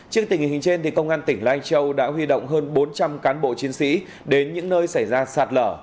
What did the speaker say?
trước tình hình trên công an tỉnh lai châu đã huy động hơn bốn trăm linh cán bộ chiến sĩ đến những nơi xảy ra sạt lở